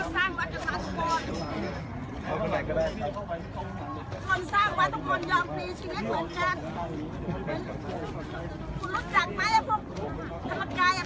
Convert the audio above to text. มีผู้ที่ได้รับบาดเจ็บและถูกนำตัวส่งโรงพยาบาลเป็นผู้หญิงวัยกลางคน